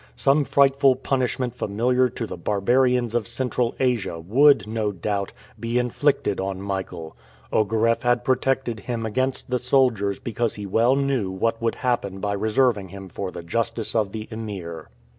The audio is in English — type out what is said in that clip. Some frightful punishment familiar to the barbarians of Central Asia would, no doubt, be inflicted on Michael Ogareff had protected him against the soldiers because he well knew what would happen by reserving him for the justice of the Emir.